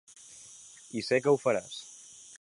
I sé que ho faràs.